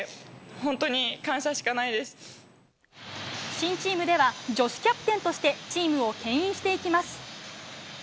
新チームでは女子キャプテンとしてチームを牽引していきます。